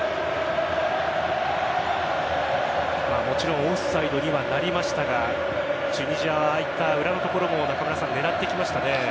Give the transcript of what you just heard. もちろんオフサイドにはなりましたがチュニジアは裏のところも狙ってきましたね。